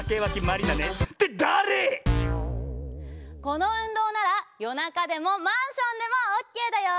このうんどうならよなかでもマンションでもオッケーだよ！